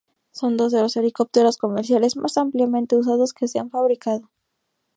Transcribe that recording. Son dos de los helicópteros comerciales más ampliamente usados que se han fabricado.